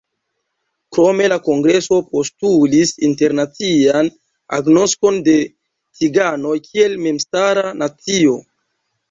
Krome la kongreso postulis internacian agnoskon de ciganoj kiel memstara nacio.